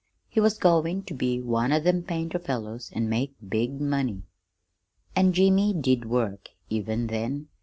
He was goin' ter be one o' them painter fellows, an' make big money. "An' Jimmy did work, even then.